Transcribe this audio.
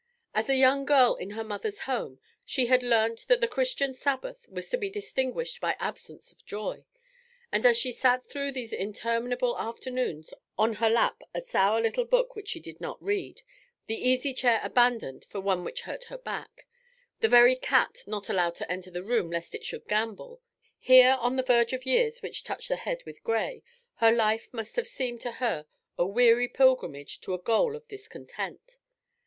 As a young girl in her mother's home she had learnt that the Christian Sabbath was to be distinguished by absence of joy, and as she sat through these interminable afternoons, on her lap a sour little book which she did not read, the easy chair abandoned for one which hurt her back, the very cat not allowed to enter the room lest it should gambol, here on the verge of years which touch the head with grey, her life must have seemed to her a weary pilgrimage to a goal of discontent.